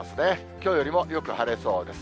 きょうよりもよく晴れそうです。